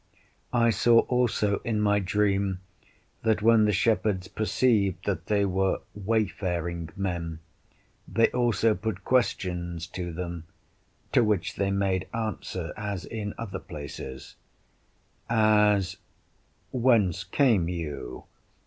I saw also in my dream, that when the shepherds perceived that they were wayfaring men, they also put questions to them (to which they made answer as in other places), as, Whence came you?